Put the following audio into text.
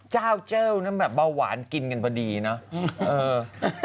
เจ้าเจ้านั้นแบบเบาหวานกินกันพอดีเนาะ